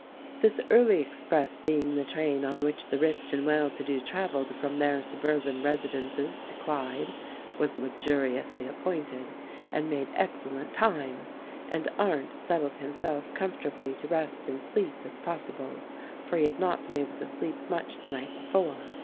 This early express being the train on which the rich and well to do traveled from their suburban residences to Clyde was luxuriously appointed and made excellent time, and Arndt settled himself comfortably to rest and sleep, if pos sible ; for he had not been able to sleep much the night before.